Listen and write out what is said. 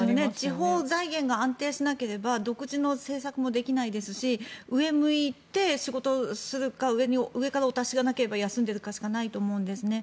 地方財源が安定しなければ独自の政策をできないですし上向いて仕事をするか上からお達しがなければ休んでるかしかないと思うんですね。